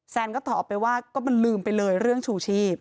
ก็ตอบไปว่าก็มันลืมไปเลยเรื่องชูชีพ